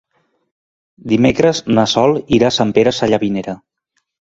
Dimecres na Sol irà a Sant Pere Sallavinera.